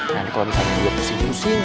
nah kalau misalnya juga pusing pusing